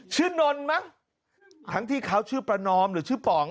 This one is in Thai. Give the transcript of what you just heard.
นนมั้งทั้งที่เขาชื่อประนอมหรือชื่อป๋อง